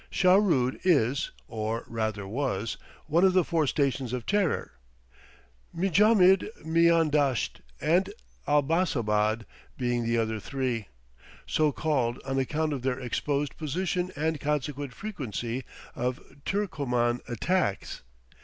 Shahrood is, or rather was, one of the "four stations of terror," Mijamid, Miandasht, and Abassabad being the other three, so called on account of their exposed position and the consequent frequency of Turcoman attacks.